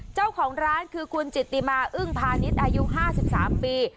เจ้าของร้านคือคุณจิตติมาอึ้งพาณิชย์อายุ๕๓ปี